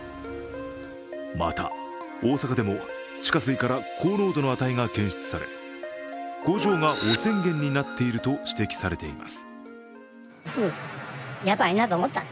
また、大阪でも地下水から高濃度の値が検出され、工場が汚染源になっていると指摘されています。